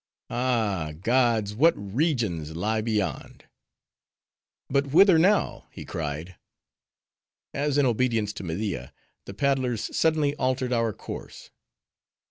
Ah! gods! what regions lie beyond?" "But whither now?" he cried, as in obedience to Media, the paddlers suddenly altered our course.